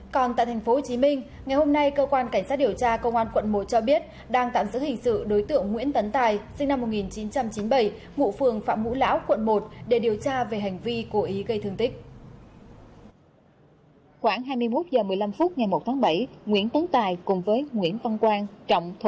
còn tại tp hcm ngày hôm nay cơ quan cảnh sát điều tra công an quận một cho biết đang tạm giữ hình sự đối tượng nguyễn tấn tài sinh năm một nghìn chín trăm chín mươi bảy ngụ phường phạm ngũ lão quận một để điều tra về hành vi cố ý gây thương tích